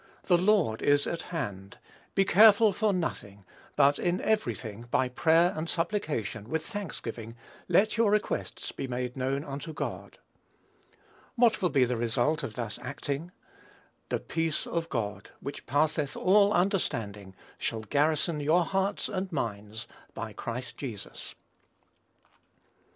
The Lord is at hand. ([Greek: engys]) Be careful for nothing, but in every thing by prayer and supplication with thanksgiving, let your requests be made known unto God." What will be the result of thus acting? "The peace of God, which passeth all understanding, shall garrison ([Greek: phrourêsei]) your hearts and minds by Christ Jesus."